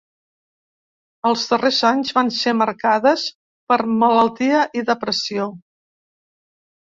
Els darrers anys van ser marcades per malaltia i depressió.